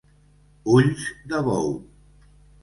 Ulls de bou.